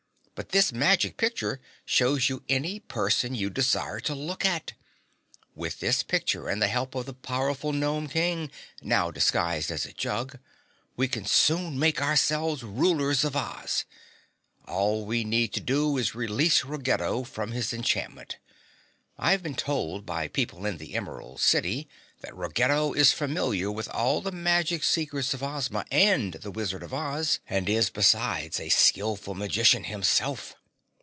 "But this magic picture shows you any person you desire to look at. With this picture and the help of the powerful Gnome King, now disguised as a jug, we can soon make ourselves rulers of Oz. All we need to do is release Ruggedo from his enchantment. I have been told by people in the Emerald City that Ruggedo is familiar with all the magic secrets of Ozma and the Wizard of Oz, and is, besides, a skilful magician himself.